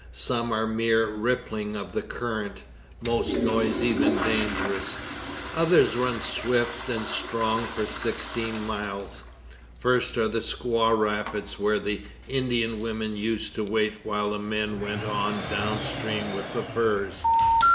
Some are a mere rippling of the current, more noisy than dangerous; others run swift and strong for sixteen miles. First are the Squaw Rapids, where the Indian women used to wait while the men went on down stream with the furs.